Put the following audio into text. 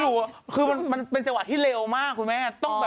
ไม่คือหูมันเป็นศาลที่เร็วมากคุณแม่